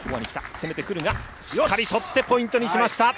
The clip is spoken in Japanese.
攻めてくるが、しっかり取って、ポイントにしました。